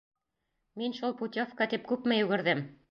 Мин шул путевка тип күпме йүгерҙем.